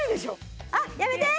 あっやめて！